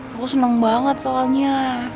aku seneng banget soalnya